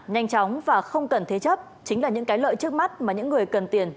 nhanh chóng và không cần thế chấp chính là những cái lợi trước mắt mà những người cần tiền